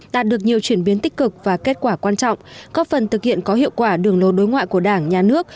đạt được nhiều chuyển biến tích cực và kết quả quan trọng có phần thực hiện có hiệu quả đường lối đối ngoại của đảng nhà nước